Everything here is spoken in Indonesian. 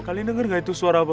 kalian dengernggak itu suara apa